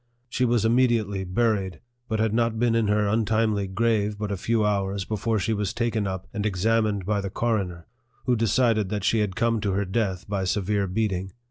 She was immediately buried, but had not been in her untimely grave but a few hours before she was taken up and examined by the coroner, who decided that she had come to her death by severe beating.